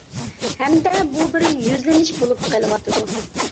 ھەمدە بۇ بىر يۈزلىنىش بولۇپ قېلىۋاتىدۇ.